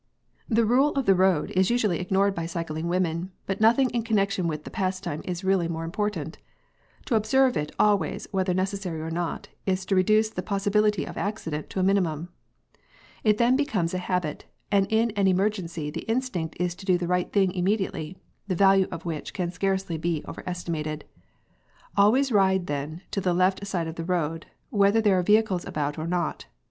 p> The rule of the road is usually ignored by cycling women, but nothing in connection with the pastime is really more important. To observe it always whether necessary or not, is to reduce the possibility of accident to a minimum. It then becomes a habit, and in an emergency the instinct is to do the right thing immediately, the value of which can scarcely be over estimated. Always ride then to the left side of the road, whether there are vehicles about or not.